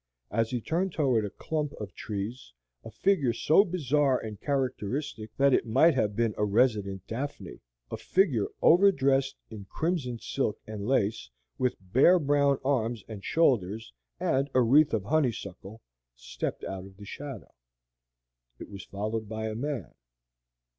As he turned toward a clump of trees, a figure so bizarre and characteristic that it might have been a resident Daphne a figure over dressed in crimson silk and lace, with bare brown arms and shoulders, and a wreath of honeysuckle stepped out of the shadow. It was followed by a man.